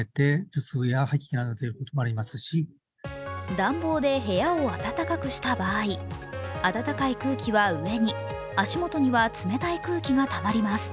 暖房で部屋を暖かくした場合、暖かい空気は上に、足元には冷たい空気がたまります。